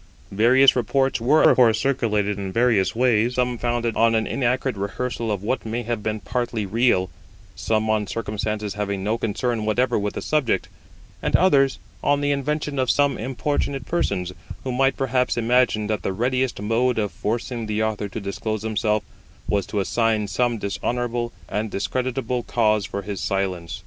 Various reports were of course circulated in various ways; some founded on an inaccurate rehearsal of what may have been partly real, some on circumstances having no concern whatever with the subject, and others on the invention of some importunate persons, who might perhaps imagine that the readiest mode of forcing the Author to disclose himself was to assign some dishonourable and discreditable cause for his silence.